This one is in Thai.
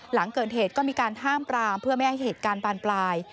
หลังเกิดเหตุก็มีการห้ามปรามเพื่อไม่ให้เหตุการณ์บานปลาย